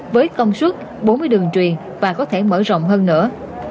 với công suất bốn mươi đường truyền và có thể mở rộng hơn nữa